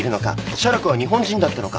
写楽は日本人だったのか。